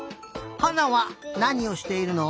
はなはなにをしているの？